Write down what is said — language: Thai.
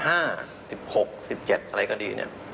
๑๖๑๗อะไรก็ดีเนี่ย